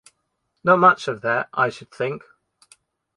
Not much of that, I should think.